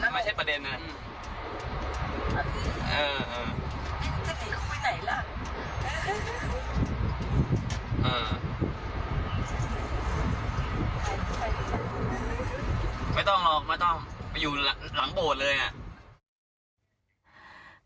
ไม่ต้องหรอกไม่ต้องไปอยู่หลังโบสถ์เลยอ่ะ